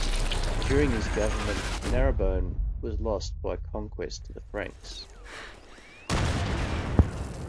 During his governing, Narbonne was lost by conquest to the Franks.